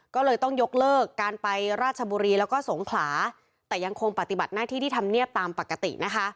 ก็เลยต้องยกเลิกการไปราชบุรีแล้วก็สงขลาแต่ยังคงปฏิบัติหน้าที่ที่ทำเนียบตามปกตินะคะ